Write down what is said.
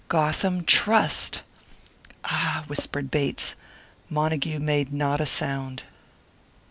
"Gotham Trust!" "Ah!" whispered Bates. Montague made not a sound.